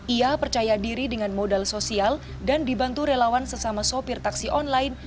ia percaya diri dengan modal sosial dan dibantu relawan sesama sopir taksi online